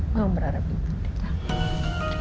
enggak berharap itu